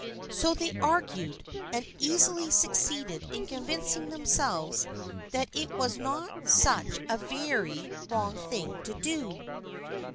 So they argued, and easily succeeded in convincing themselves that it was not such a very wrong thing to do.